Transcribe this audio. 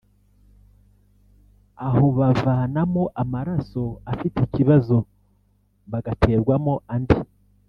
aho bavanamo amaraso afite ikibazo bagaterwamo andi